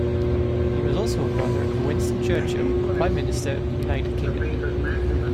He was also a brother of Winston Churchill, Prime Minister of the United Kingdom.